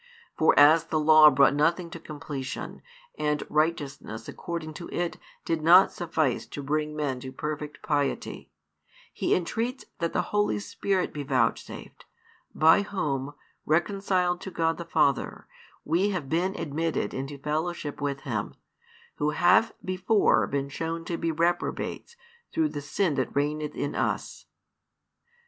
For as the Law brought nothing to completion, and righteousness according to it did not suffice to bring men to perfect piety, He entreats that the Holy Spirit be vouchsafed, by Whom, reconciled to God the Father, we have been admitted into fellowship with Him, who have before been shown to be reprobates through the sin that reigneth in us.